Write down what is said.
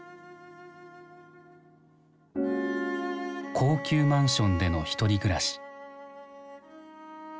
高級マンションでのひとり暮らし。